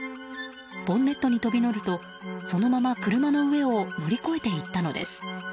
ボンネットに飛び乗るとそのまま車の上を乗り越えていったのです。